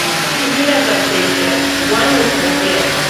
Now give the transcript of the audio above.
Tskirakatechanksï wanikwa jatsiatʼi.